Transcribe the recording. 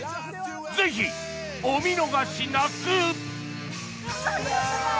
ぜひお見逃しなく！